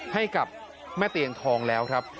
ให้กับแม่เตียงทองแล้วครับ